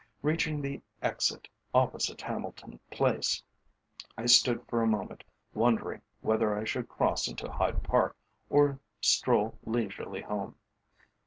Reaching the exit opposite Hamilton Place, I stood for a moment wondering whether I should cross into Hyde Park or stroll leisurely home.